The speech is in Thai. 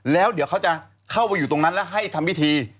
แล้วเดี๋ยวเขาจะเข้าไปอยู่ตรงนั้นแล้วให้ทำพิธี